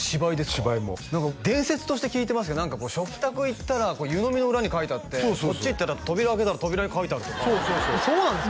芝居も伝説として聞いてますけど何か食卓行ったら湯飲みの裏に書いてあってこっち行ったら扉開けたら扉に書いてあるとかそうなんですか？